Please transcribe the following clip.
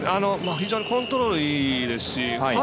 非常にコントロールがいいですし。